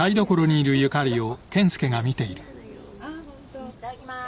いただきまーす。